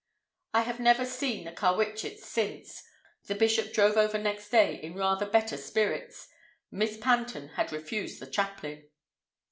I have never seen the Carwitchets since. The bishop drove over next day in rather better spirits. Miss Panton had refused the chaplain.